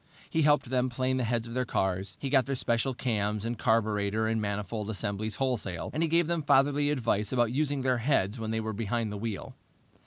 He helped them plane the heads of their cars. He got their special cams and carburetor and manifold assemblies wholesale, and he gave them fatherly advice about using their heads when they were behind the wheel.